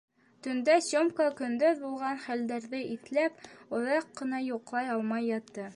Төндә Сёмка, көндөҙ булған хәлдәрҙе иҫләп, оҙаҡ ҡына йоҡлай алмай ятты.